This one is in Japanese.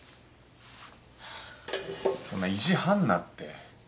そんな意地張んなって。